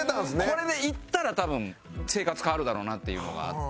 これでいったら多分生活変わるだろうなっていうのがあって。